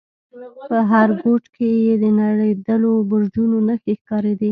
په هر گوټ کښې يې د نړېدلو برجونو نخښې ښکارېدې.